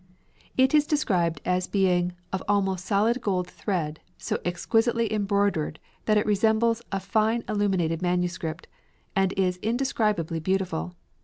It is described as being "of almost solid gold thread, so exquisitely embroidered that it resembles a fine illuminated manuscript," and is indescribably beautiful.